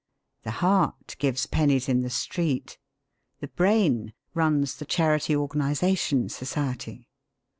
The heart gives pennies in the street. The brain runs the Charity Organisation Society.